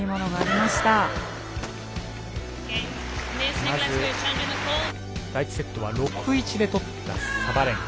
まず、第１セットは６−１でとった、サバレンカ。